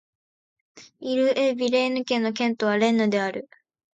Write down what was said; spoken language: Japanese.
イル＝エ＝ヴィレーヌ県の県都はレンヌである